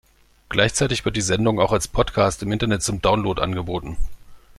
Gleichzeitig wird die Sendung auch als Podcast im Internet zum Download angeboten.